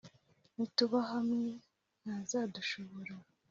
nituba bamwe ntazadushobora